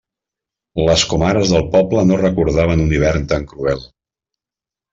Les comares del poble no recordaven un hivern tan cruel.